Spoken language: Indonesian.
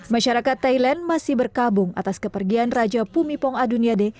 masyarakat thailand masih berkabung atas kepergian raja pumipong aduniade